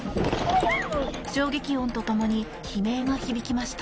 衝撃音と共に悲鳴が響きました。